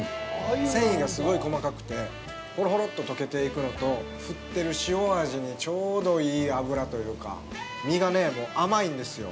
繊維がすごい細かくてほろほろっと解けていくのと振ってる塩味にちょうどいい脂というか、身が甘いんですよ。